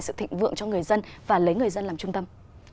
sự thịnh vượng cho người dân và lấy người dân làm trung tâm